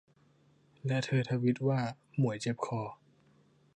และเธอทวีตว่า หมวยเจ็บคอ